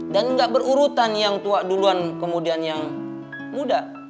dan gak berurutan yang tua duluan kemudian yang muda